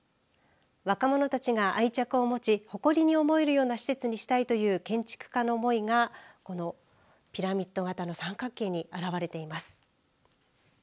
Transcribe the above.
若者たちが愛着を持ち誇りに思えるような施設にしたいという建築家の思いがこのピラミッド型の三角形に表れています。